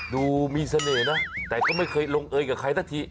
ดูมีเสน่ห์นะแต่ก็ไม่เคยลงเอยกับใครสักที